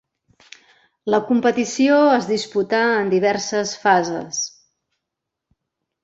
La competició es disputà en diverses fases.